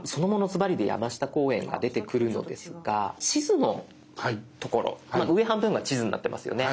ズバリで山下公園が出てくるのですが地図の所上半分が地図になってますよね。